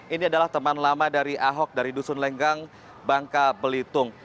ini adalah teman lama dari ahok dari dusun lenggang bangka belitung